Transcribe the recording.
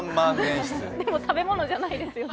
でも食べ物じゃないですよね。